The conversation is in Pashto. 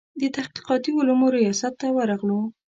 د تحقیقاتي علومو ریاست ته ورغلو.